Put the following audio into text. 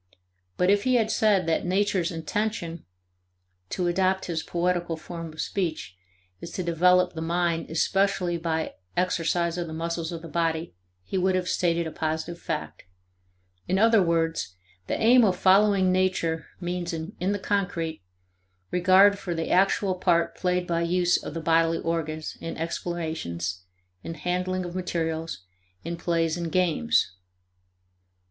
But if he had said that nature's "intention" (to adopt his poetical form of speech) is to develop the mind especially by exercise of the muscles of the body he would have stated a positive fact. In other words, the aim of following nature means, in the concrete, regard for the actual part played by use of the bodily organs in explorations, in handling of materials, in plays and games.